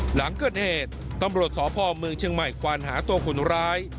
หลังเกิดเหตุตำรวจสพเมืองเชียงใหม่ควานหาตัวคนร้าย